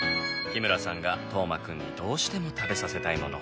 日村さんが斗真君にどうしても食べさせたいもの。